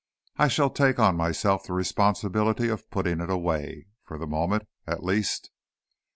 I shall take on myself the responsibility of putting it away, for the moment, at least."